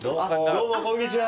どうもこんにちは。